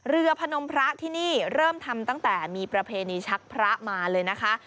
พนมพระที่นี่เริ่มทำตั้งแต่มีประเพณีชักพระมาเลยนะคะ